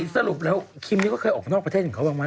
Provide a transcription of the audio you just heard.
สรุปแล้วคิมนี่ก็เคยออกเป็นออกประเทศอย่างเงียบมาก